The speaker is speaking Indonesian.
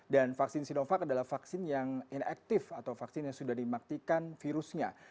dan vaksin sinovac adalah vaksin yang inaktif atau vaksin yang sudah dimaktikan virusnya